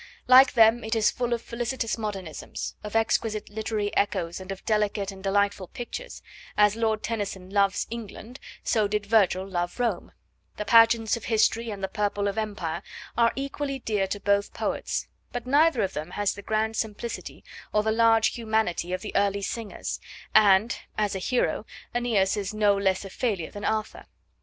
Like them it is full of felicitous modernisms, of exquisite literary echoes and of delicate and delightful pictures; as Lord Tennyson loves England so did Virgil love Rome; the pageants of history and the purple of empire are equally dear to both poets; but neither of them has the grand simplicity or the large humanity of the early singers, and, as a hero, AEneas is no less a failure than Arthur.